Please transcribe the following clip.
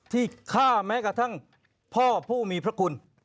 ที่ฆ่าแม้กระทั่งพ่อผู้มีพระคุณ